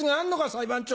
裁判長。